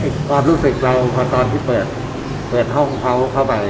ความรู้สึกเราพอตอนที่เปิดเปิดห้องเขาเข้าไป